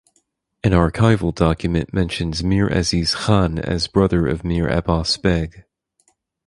An archival document mentions Mir Aziz Khan as brother of Mir Abbas Beg.